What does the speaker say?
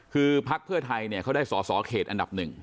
คือพักเพื่อไทยเขาได้สอสอเขตอันดับหนึ่ง